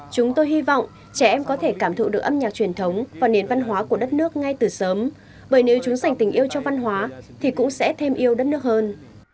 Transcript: chúng tôi hy vọng trẻ em có thể cảm thụ được âm nhạc truyền thống và nền văn hóa của đất nước ngay từ sớm bởi nếu chúng dành tình yêu cho văn hóa thì cũng sẽ thêm yêu đất nước hơn